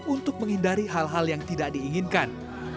untuk menghindari hal hal yang tidak diinginkan